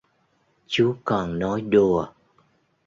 Chú còn nói đùa